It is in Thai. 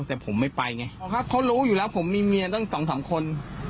แต่ผมไม่ไปไงเขารู้อยู่แล้วผมมีเมียตั้งสองสามคน